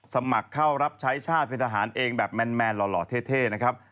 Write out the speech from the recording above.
สมัครเข้ารับใช้ชาติเป็นทหารเองแบบแมนหล่อเท่นะครับ